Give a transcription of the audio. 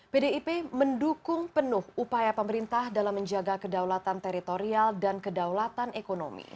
pdip mendukung penuh upaya pemerintah dalam menjaga kedaulatan teritorial dan kedaulatan ekonomi